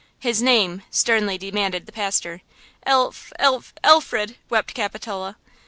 "His name?" sternly demanded the pastor. "Alf–Alf–Alfred," wept Capitola.